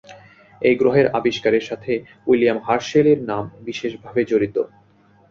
এই গ্রহের আবিষ্কারের সাথে উইলিয়াম হার্শেল-এর নাম বিশেষভাবে জড়িত।